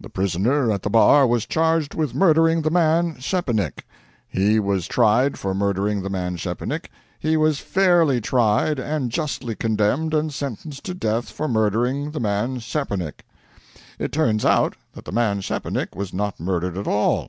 The prisoner at the bar was charged with murdering the man Szczepanik; he was tried for murdering the man Szczepanik; he was fairly tried and justly condemned and sentenced to death for murdering the man Szczepanik. It turns out that the man Szczepanik was not murdered at all.